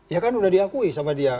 ya kan udah diakui sama dia